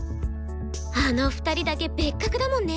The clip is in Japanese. あの２人だけ別格だもんね。